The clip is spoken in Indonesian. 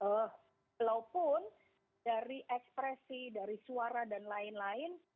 walaupun dari ekspresi dari suara dan lain lain